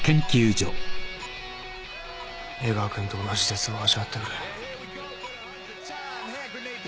江川君と同じ絶望を味わってくれ。